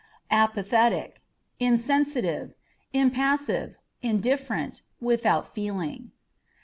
Apathetic â€" insensitive, impassive, indifferent, without feeling.